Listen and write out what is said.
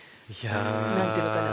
何て言うのかな